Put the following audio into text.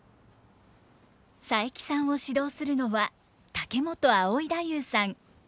佐伯さんを指導するのは竹本葵太夫さん。